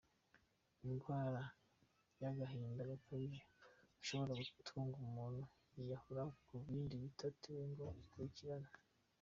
Indwara y’agahinda gakabije ishobora gutuma umuntu yiyahura mu gihe ititaweho ngo ikurikiranwe.